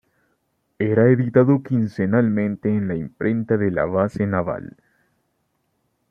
Era editado quincenalmente en la imprenta de la Base Naval.